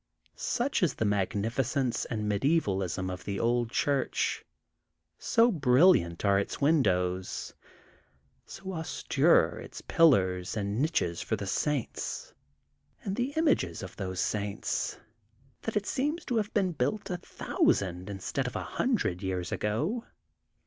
Such is the magnificence and medievalism of the old church, so brilliant are its windows, so austere its pillars and niches for the saints, and the images of those saints, that it seems to have been built a thousand instead of a hundred years ago.